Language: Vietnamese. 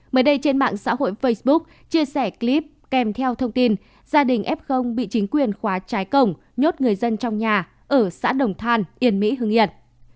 mới đây trên mạng xã hội facebook chia sẻ clip kèm theo thông tin gia đình f bị chính quyền khóa trái cổng nhốt người dân trong nhà ở xã đồng than yên mỹ hương yên